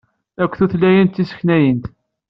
Akk tutlayin d tisneknayint.